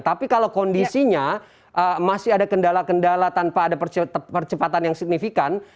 tapi kalau kondisinya masih ada kendala kendala tanpa ada percepatan yang signifikan